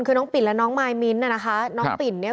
คือน้องปิ่นและน้องมายมิ้นท์น่ะนะคะน้องปิ่นเนี่ย